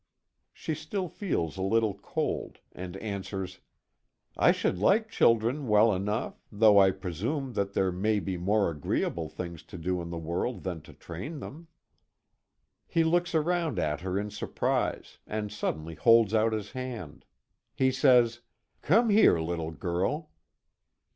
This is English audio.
She still feels a little cold, and answers: "I should like children well enough, though I presume that there may be more agreeable things to do in the world than to train them." He looks around at her in surprise, and suddenly holds out his hand. He says: "Come here, little girl."